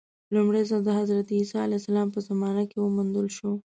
لومړی ځل د حضرت عیسی علیه السلام په زمانه کې وموندل شو.